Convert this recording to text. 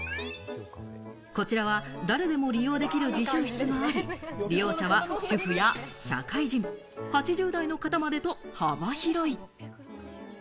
こちらは誰でも利用できる自習室があり、利用者は主婦や社会人、８０代の方までと幅広い。